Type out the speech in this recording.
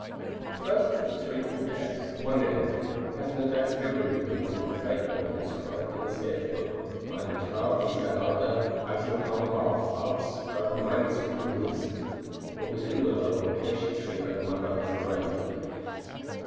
The first of the three quartets, the one in F, has an Adagio movement on which Beethoven inscribed in the sketch book, "Eine Trauerweide oder Akazienbaum aufs Grab meines Bruders." [A weeping willow or acacia tree over my brother's grave.